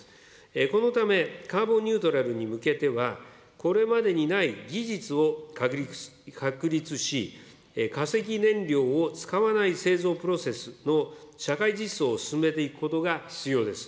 このため、カーボンニュートラルに向けては、これまでにない技術を確立し、化石燃料を使わない製造プロセスの社会実装を進めていくことが必要です。